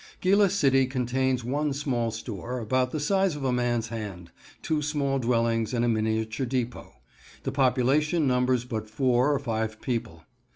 Gila City contains one small store, about the size of a man's hand; two small dwellings, and a miniature depot. The population numbers but four or five people.